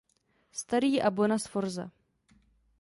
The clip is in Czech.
Starý a Bona Sforza.